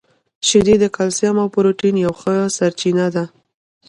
• شیدې د کلسیم او پروټین یوه ښه سرچینه ده.